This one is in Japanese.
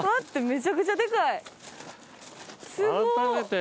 めちゃくちゃでかい。